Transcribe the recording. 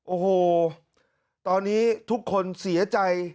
โอ้โหตอนนี้ทุกคนเสียใจ